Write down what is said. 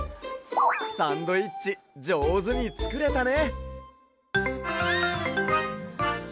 サンドイッチじょうずにつくれたね。